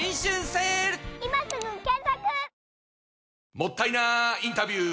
もったいなインタビュー！